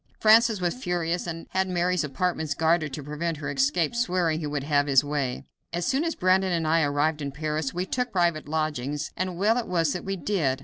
Francis was furious, and had Mary's apartments guarded to prevent her escape, swearing he would have his way. As soon as Brandon and I arrived in Paris we took private lodgings, and well it was that we did.